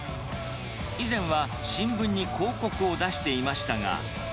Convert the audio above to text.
以前は新聞に広告を出していましたが。